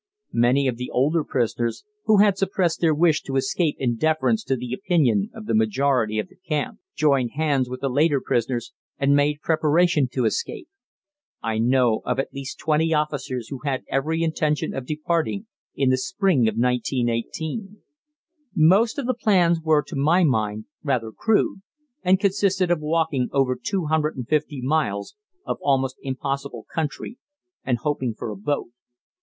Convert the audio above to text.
Many of the older prisoners, who had suppressed their wish to escape in deference to the opinion of the majority of the camp, joined hands with the later prisoners and made preparation to escape. I know of at least twenty officers who had every intention of departing in the spring of 1918. Most of the plans were to my mind rather crude, and consisted of walking over 250 miles of almost impossible country and hoping for a boat.